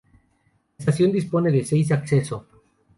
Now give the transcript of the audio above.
La estación dispone de seis acceso.